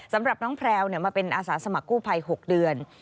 สำหรับน้องแพลวมาเป็นอาสาสมัครกู้ภัย๖เดือน